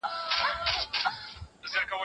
که معلومات بشپړ نه وي، نتیجه مه اخلئ.